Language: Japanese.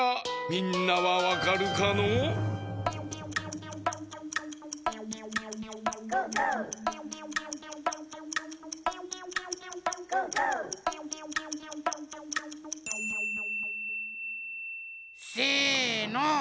みんなはわかるかのう？せの！